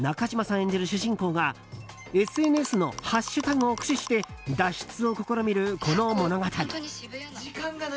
演じる主人公がＳＮＳのハッシュタグを駆使して脱出を試みる、この物語。